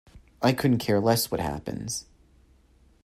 I couldn't care less what happens.